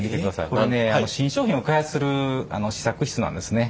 これはね新商品を開発する試作室なんですね。